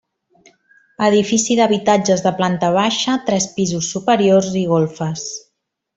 Edifici d'habitatges de planta baixa, tres pisos superiors i golfes.